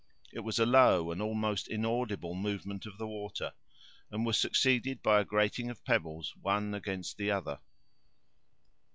It was a low and almost inaudible movement of the water, and was succeeded by a grating of pebbles one against the other.